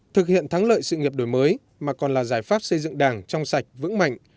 thực hiện thắng lợi sự nghiệp đổi mới mà còn là giải pháp xây dựng đảng trong sạch vững mạnh